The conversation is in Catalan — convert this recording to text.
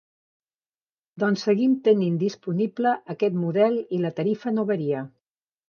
Doncs seguim tenint disponible aquest model i la tarifa no varia.